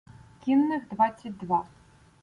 Кінних двадцять два.